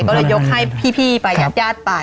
ก็เลยยกให้พี่ไปยาดไป